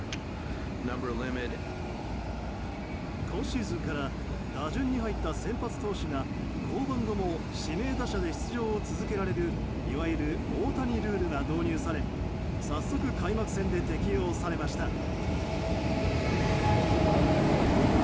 今シーズンから打順に入った先発投手が降板後も指名打者で出場を続けられるいわゆる大谷ルールが導入され早速開幕戦で適用されました。